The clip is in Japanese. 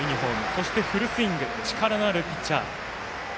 そして、フルスイング力のあるピッチャー。